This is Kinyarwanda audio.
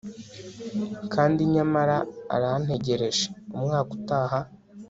kandi nyamara arantegereje, umwaka utaha